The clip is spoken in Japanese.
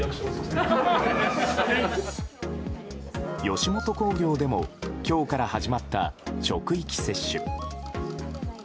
吉本興業でも今日から始まった職域接種。